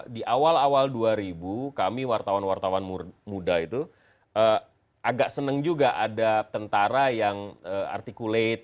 di awal awal dua ribu kami wartawan wartawan muda itu agak senang juga ada tentara yang artikulate